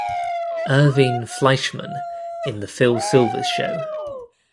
Irving Fleischman in "The Phil Silvers Show".